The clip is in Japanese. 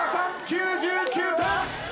９９点。